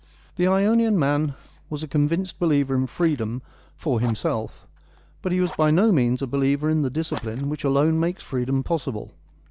The Ionian man was a convinced believer in freedom — for himself ; but he was by no means a believer in the discipline which alone makes freedom possible.